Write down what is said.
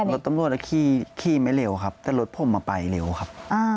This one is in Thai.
รถตำรวจขี่ไม่เร็วครับแต่รถผมไปเร็วครับ